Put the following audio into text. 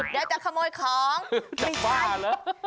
เดี๋ยวจะขโมยของไม่บ้าเหรอ